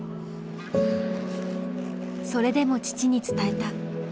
それでも父に伝えた。